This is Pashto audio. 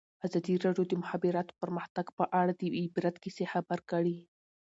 ازادي راډیو د د مخابراتو پرمختګ په اړه د عبرت کیسې خبر کړي.